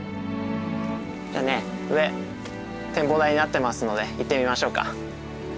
じゃあね上展望台になってますので行ってみましょうか。